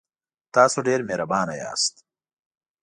تاسو ډیر مهربانه یاست.